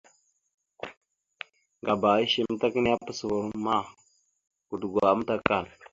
Ŋgaba ishe amətak nehe, apasəva romma ma, godogo amatəkal.